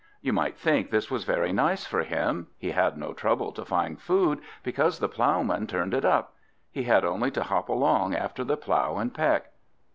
You might think this was very nice for him; he had no trouble to find food, because the ploughman turned it up; he had only to hop along after the plough and peck.